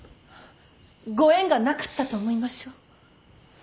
ご縁がなかったと思いましょう。